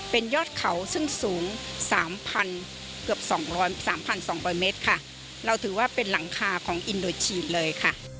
เป็นยอดเขาซึ่งสูง๓๒๐๐เมตรค่ะเราถือว่าเป็นหลังคาของอินโดยชีนเลย